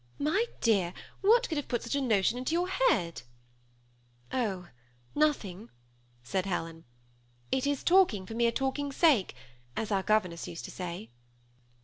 My dear, what could have put such a notion into your head ?"" Oh, nothing," said Helen ;"* it is talking for mere talking sake,' as our governess used to say."